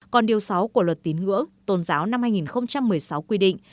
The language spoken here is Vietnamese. còn điều sáu của luật tín ngưỡng tôn giáo năm hai nghìn một mươi sáu quy định